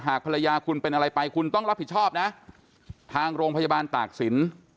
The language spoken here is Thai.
ภรรยาคุณเป็นอะไรไปคุณต้องรับผิดชอบนะทางโรงพยาบาลตากศิลป์